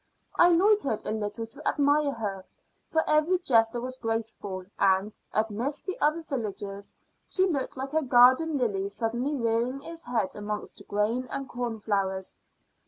I loitered a little to admire her, for every gesture was graceful; and, amidst the other villagers, she looked like a garden lily suddenly rearing its head amongst grain and corn flowers.